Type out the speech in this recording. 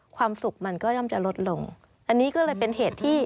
ความสุขมันก็ย่อมจะลดลงอันนี้ก็เลยเป็นเหตุที่